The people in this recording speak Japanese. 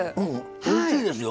おいしいですよ。